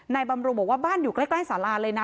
บำรุงบอกว่าบ้านอยู่ใกล้สาราเลยนะ